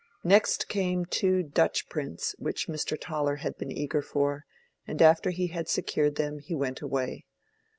Next came two Dutch prints which Mr. Toller had been eager for, and after he had secured them he went away.